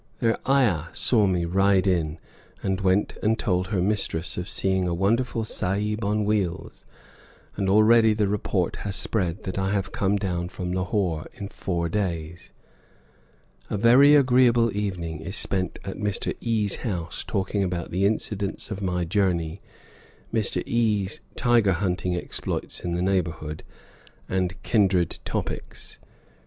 Their ayah saw me ride in, and went and told her mistress of seeing a "wonderful Sahib on wheels," and already the report has spread that I have come down from Lahore in four days! A very agreeable evening is spent at Mr. E 's house, talking about the incidents of my journey, Mr. E 's tiger hunting exploits in the neighborhood, and kindred topics. Mr.